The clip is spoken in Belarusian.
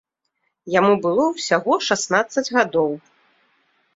Яму было ўсяго шаснаццаць гадоў.